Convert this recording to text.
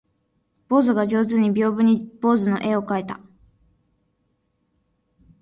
坊主が上手に屏風に坊主の絵を描いた